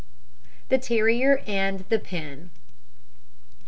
THE TERRIER AND THE PIN.